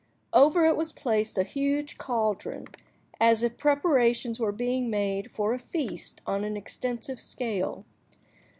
Over it was placed a huge caldron, as if preparations were being made for a feast on an extensive scale.